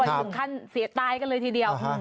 ถึงขั้นเสียตายกันเลยทีเดียว